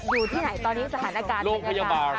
อยู่ที่ไหนตอนนี้สถานการณ์มันอยู่ที่โรงพยาบาล